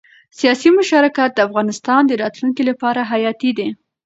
سیاسي مشارکت د افغانستان د راتلونکي لپاره حیاتي دی